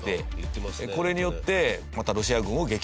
これによってまたロシア軍を撃退すると。